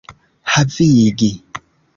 havigi